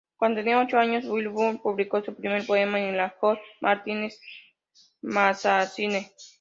Cuando tenía ocho años, Wilbur publicó su primer poema en la "John Martin's Magazine".